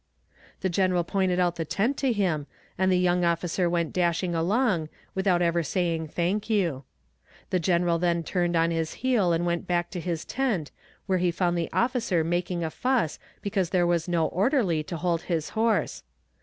The general pointed out the tent to him, and the young officer went dashing along, without ever saying "thank you." The general then turned on his heel and went back to his tent, where he found the officer making a fuss because there was no orderly to hold his horse.